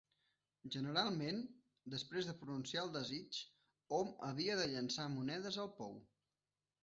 Generalment, després de pronunciar el desig, hom havia de llançar monedes al pou.